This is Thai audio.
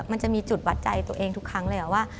มันจะมีจุดวัดใจตัวเองทุกครั้งเลยว่า